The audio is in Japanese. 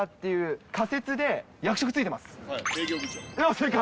正解。